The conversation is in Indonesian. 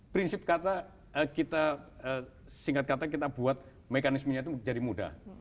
prinsip kata kita singkat kata kita buat mekanismenya itu jadi mudah